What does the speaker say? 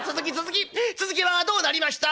続きはどうなりました？」。